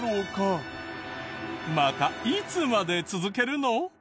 またいつまで続けるの？